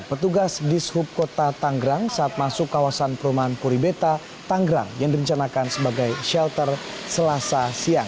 petugas dishub kota tanggrang saat masuk kawasan perumahan puribeta tanggerang yang direncanakan sebagai shelter selasa siang